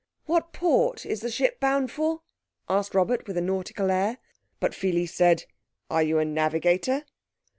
"What port is the ship bound for?" asked Robert, with a nautical air. But Pheles said, "Are you a navigator?"